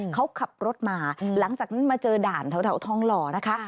เขาขับรถมาหลังจากนั้นมาเจอด่านแถวทองหล่อนะคะ